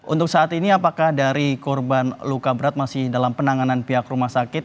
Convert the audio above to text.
untuk saat ini apakah dari korban luka berat masih dalam penanganan pihak rumah sakit